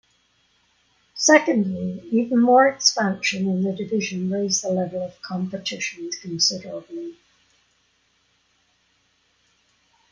Secondly, even more expansion in the division raised the level of competition considerably.